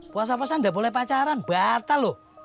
puasa puasa gak boleh pacaran batal lo